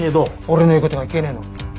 俺の言うことが聞けねえのか？